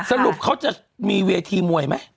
สรุปเขาจะมีเวทีมวยไหม